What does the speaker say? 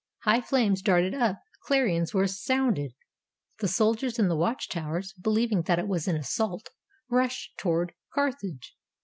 High flames darted up; clarions were sounded. The soldiers in the watch towers, believing that it was an assault, rushed towards Carthage.